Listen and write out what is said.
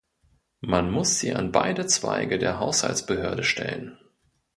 Man muss sie an beide Zweige der Haushaltsbehörde stellen.